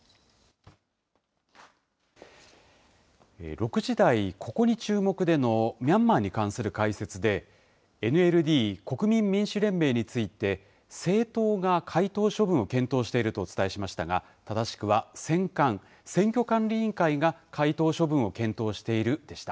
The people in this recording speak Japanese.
６時台、ここに注目でのミャンマーに関する解説で、ＮＬＤ・国民民主連盟について、政党が解党処分を検討しているとお伝えしましたが、正しくは選管・選挙管理委員会が解党処分を検討しているでした。